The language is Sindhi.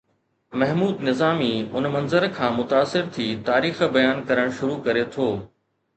محمود نظامي ان منظر کان متاثر ٿي تاريخ بيان ڪرڻ شروع ڪري ٿو